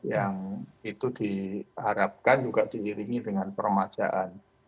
yang itu diharapkan juga diiringi dengan peremajaan